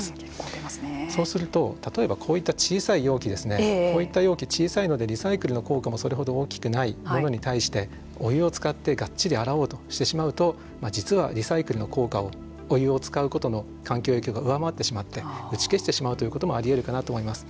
そうすると例えばこういった小さい容器ですねこういった容器小さいのでリサイクルの効果もそれほど大きくないものに対してお湯を使ってがっちり洗おうとしてしまうと実はリサイクルの効果をお湯を使うことの環境影響が上回ってしまって打ち消してしまうということもありえるかなと思います。